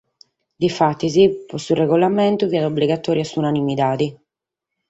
Difatis, pro su regulamentu fiat obligatòria s’unanimidade.